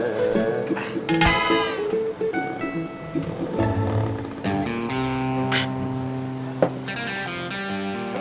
biar gua ngeres